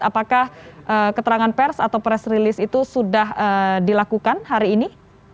apakah keterangan pers atau press release itu sudah dilakukan hari ini